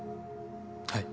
はい。